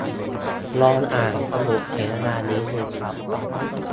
ลองอ่านสรุปเสวนานี้ดูครับ